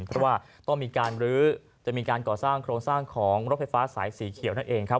เพราะว่าต้องมีการรื้อจะมีการก่อสร้างโครงสร้างของรถไฟฟ้าสายสีเขียวนั่นเองครับ